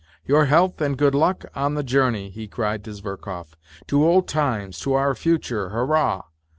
" Your health and good luck on the journey !" he cried to Zverkov. "JTo old times, to our future, hurrah